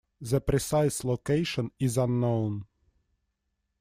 The precise location is unknown.